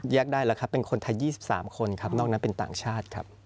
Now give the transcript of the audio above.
ได้แล้วครับเป็นคนไทย๒๓คนครับนอกนั้นเป็นต่างชาติครับ